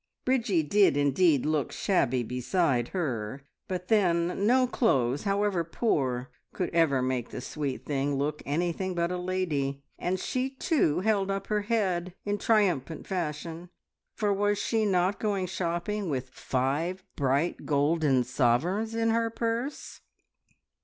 Bridgie did indeed look shabby beside her, but then no clothes, however poor, could ever make the sweet thing look anything but a lady, and she too held up her head in triumphant fashion, for was she not going shopping with five bright golden sovereigns in her purse?